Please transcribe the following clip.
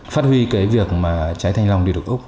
phát huy cái việc mà trái thanh long đi được úc